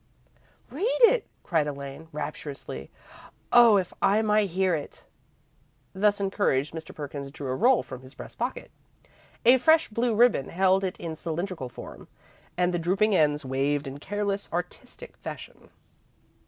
"Read it," cried Elaine, rapturously. "Oh, if I might hear it!" Thus encouraged, Mr. Perkins drew a roll from his breast pocket. A fresh blue ribbon held it in cylindrical form, and the drooping ends waved in careless, artistic fashion.